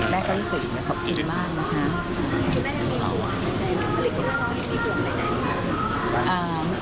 แม่ก็รู้สึกจะขอบคุณมากนะคะ